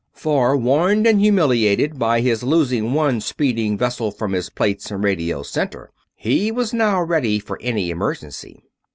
For, warned and humiliated by his losing one speeding vessel from his plates in Radio Center, he was now ready for any emergency.